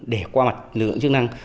để qua mặt lượng chức năng